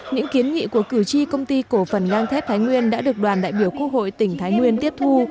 những kiến nghị của cử tri công ty cổ phần ngang thép thái nguyên đã được đoàn đại biểu quốc hội tỉnh thái nguyên tiếp thu